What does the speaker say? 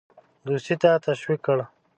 دوستی ته تشویق کړ.